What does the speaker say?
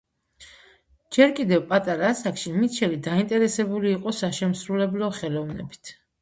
ჯერ კიდევ პატარა ასაკში, მიტჩელი დაინტერესებული იყო საშემსრულებლო ხელოვნებით.